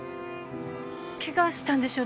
ケガしたんでしょ？